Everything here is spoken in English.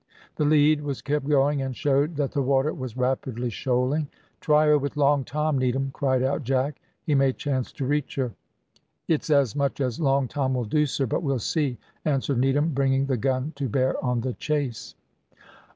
The lead was kept going, and showed that the water was rapidly shoaling. "Try her with Long Tom, Needham," cried out Jack; "he may chance to reach her." "It's as much as Long Tom will do, sir, but we'll see," answered Needham, bringing the gun to bear on the chase.